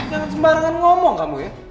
jangan sembarangan ngomong kamu ya